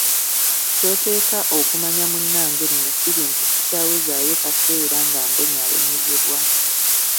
Ky’oteeka okumanya munnange nno kiri nti sikyawezaayo kaseera nga mbonyabonyezebwa.